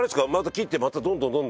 切ってまたどんどんどんどん？